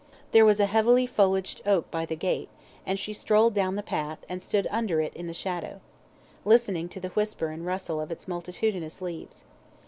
There was a heavily foliaged oak by the gate, and she strolled down the path, and stood under it in the shadow, listening to the whisper and rustle of its multitudinous leaves.